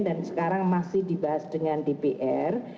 sekarang masih dibahas dengan dpr